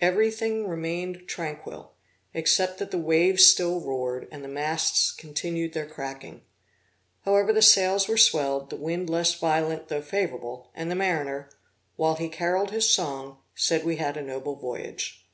Every thing remained tranquil, except that the waves still roared, and the masts continued their creaking. However the sails were swelled, the wind less violent, though favorable, and the mariner, while he caroled his song, said we had a noble voyage.